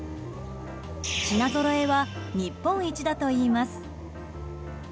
品ぞろえは日本一だといいます。